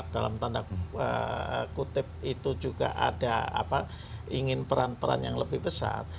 dalam tanda kutip itu juga ada ingin peran peran yang lebih besar